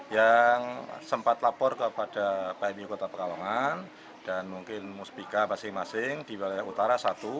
yang sempat lapor kepada pmi kota pekalongan dan mungkin musbika masing masing di wilayah utara satu